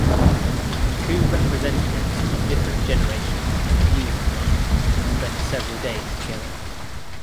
Two representatives of different generations and views on life spend several days together.